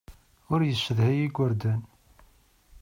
Ur yessedhay igerdan.